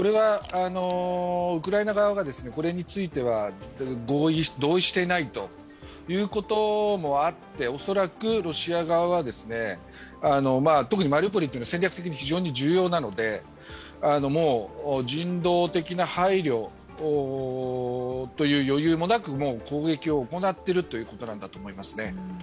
ウクライナ側がこれについては同意していないということもあって、恐らくロシア側は、特にマリウポリは戦略的に非常に重要なので、人道的な配慮という余裕もなく攻撃を行っているということなんだと思いますね。